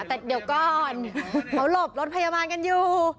แต่เดี๋ยวก่อนเขาหลบรถพยาบาลกันอยู่